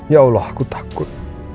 ya allah aku takut